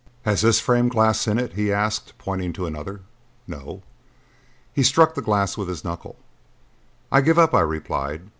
"Has this frame glass in it?" he asked, pointing to another. "No." He struck the glass with his knuckle. "I'll give up," I replied.